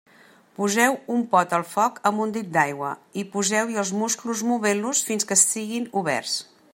Poseu un pot al foc amb un dit d'aigua i poseu-hi els musclos movent-los fins que siguin oberts.